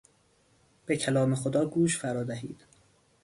به کلام خدا گوش فرا دهید.